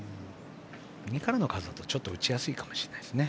右からの風だとちょっと打ちやすいかもしれないですね。